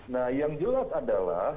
nah yang jelas adalah